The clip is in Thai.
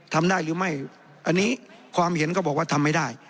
ทำได้หรือไม่อันนี้ความเห็นก็บอกว่าทำไม่ได้